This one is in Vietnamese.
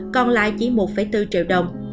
còn lại chỉ một bốn triệu đồng